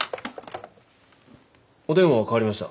お電話代わりました。